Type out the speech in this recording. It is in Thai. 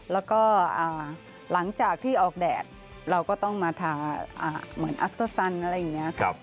แล้วก็หลังจากที่ออกแดดเราก็ต้องมาทาเหมือนอักเซอร์ซันอะไรอย่างนี้